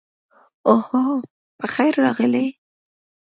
اوهو، پخیر راغلې.